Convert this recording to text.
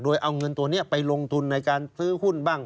โดยเอาเงินตัวนี้ไปลงทุนในการซื้อหุ้นบ้าง